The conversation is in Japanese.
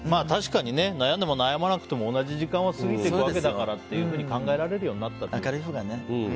確かに悩んでも悩まなくても同じ時間が過ぎていくわけだからと考えられるようになったと。